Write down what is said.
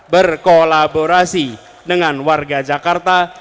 berkolaborasi dengan warga jakarta